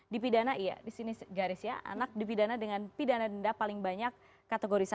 dipidana iya di sini garis ya anak dipidana dengan pidana denda paling banyak kategori